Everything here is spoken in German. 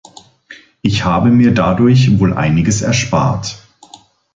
Ich habe mir dadurch wohl einiges erspart.